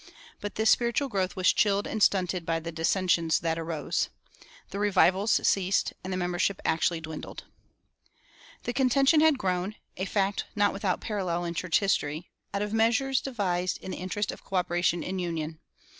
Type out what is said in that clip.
But this spiritual growth was chilled and stunted by the dissensions that arose. The revivals ceased and the membership actually dwindled. The contention had grown (a fact not without parallel in church history) out of measures devised in the interest of coöperation and union.